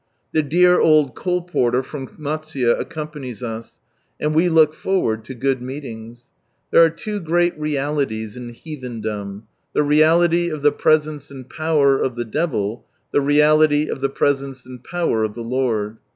The dear old colporteur from Matsuye accompanies us, and we look forward to good meetings. There are two great realities in heathendom. The reality of the presence and power of the devil ; the reality of the presence and power of the Lord.